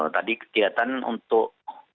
tadi kegiatan untuk